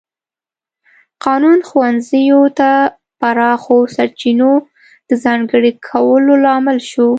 قانون ښوونځیو ته پراخو سرچینو د ځانګړي کولو لامل شو.